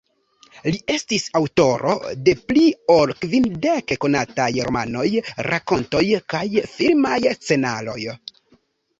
Li estis aŭtoro de pli ol kvindek konataj romanoj, rakontoj kaj filmaj scenaroj.